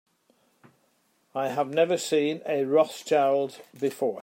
I have never seen a Rothschild before.